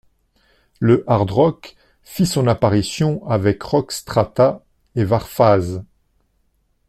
Le hard rock fit son apparition avec Rockstrata et Warfaze.